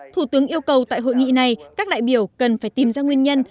thủ tướng yêu cầu tại hội nghị này các đại biểu cần phải tìm ra nguyên nhân